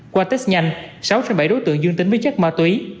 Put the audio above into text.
qua test nhanh sáu bảy đối tượng dương tính với chất ma túy